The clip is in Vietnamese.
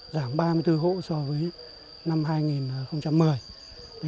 giảm ba mươi bốn hộ so với năm hai nghìn một mươi